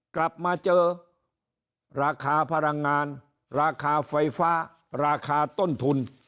กลับมาเจอราคาพลังงานราคาไฟฟ้าราคาต้นทุน